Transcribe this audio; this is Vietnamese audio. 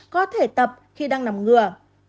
có thể tập khi đang nằm ngựa